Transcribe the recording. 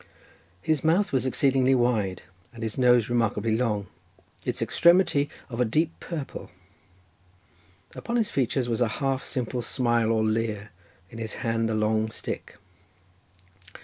His mouth was exceedingly wide, and his nose remarkably long; its extremity of a deep purple; upon his features was a half simple smile or leer; in his hand was a long stick.